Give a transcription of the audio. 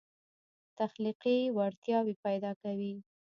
تخلیقي وړتیاوې پیدا کوي.